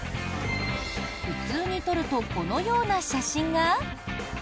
普通に撮るとこのような写真が。